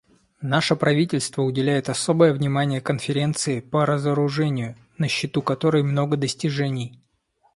Наше правительство уделяет особое внимание Конференции по разоружению, на счету которой много достижений.